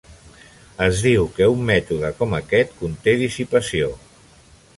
Es diu que un mètode com aquest conté dissipació.